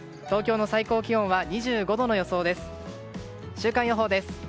週間予報です。